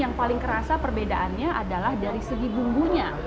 yang paling kerasa perbedaannya adalah dari segi bumbunya